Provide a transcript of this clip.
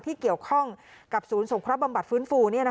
ที่เกี่ยวข้องกับศูนย์สงเคราะห์บำบัดฟื้นฟู